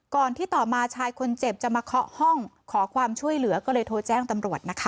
ที่ต่อมาชายคนเจ็บจะมาเคาะห้องขอความช่วยเหลือก็เลยโทรแจ้งตำรวจนะคะ